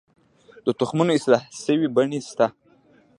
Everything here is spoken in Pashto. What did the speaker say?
د تخمونو اصلاح شوې بڼې شته؟